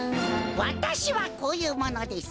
わたしはこういうものです。